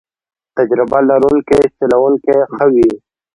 تجربه لرونکی چلوونکی ښه وي.